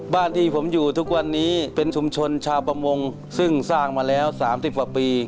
บ้านที่ผมอยู่ทุกวันนี้เป็นชุมชนชาวประมงซึ่งสร้างมาแล้ว๓๐กว่าปี